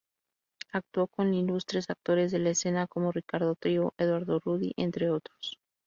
Actuó con ilustres actores de la escena como Ricardo Trigo, Eduardo Rudy, entre otros.